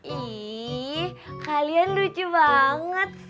ih kalian lucu banget